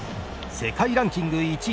世界ランキング１位。